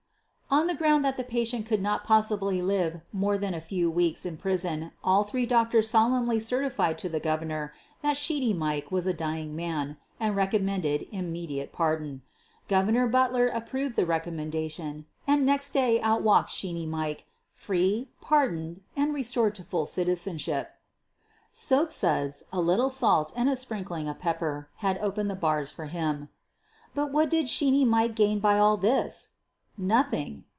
On the ground that the patient could not possibly live more than a few weeks in prison all three doc tors solemnly certified to the Governor that "Shee ney Mike" was a dying man and recommended im mediate pardon. Governor Butler approved the recommendation, and next day out walked '' Sheeney Mike" free, pardoned and restored to full citizen 82 SOPHIE LYONS ship. Soap suds, a little salt and a sprinkling of pepper had opened the bars for him. But what did "Sheeney Mike" gain by all this? ' Nothing.